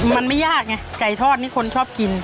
มันไม่ยากไงไก่ทอดนี่คนชอบกิน